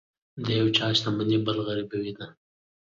د یو چا شتمني بل غریبوي نه.